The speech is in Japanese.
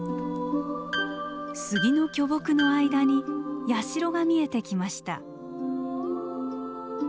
杉の巨木の間に社が見えてきました。